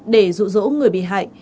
điều đó giúp đỡ người bị hại